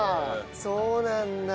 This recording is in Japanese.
そうなんだ。